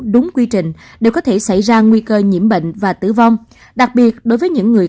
đúng quy trình đều có thể xảy ra nguy cơ nhiễm bệnh và tử vong đặc biệt đối với những người